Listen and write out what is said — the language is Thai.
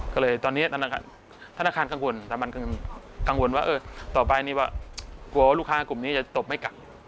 ก็เลยตอนนี้ธนาคารกังวลว่าต่อไปกลัวลูกค้ากลุ่มนี้จะตบไม่กลับ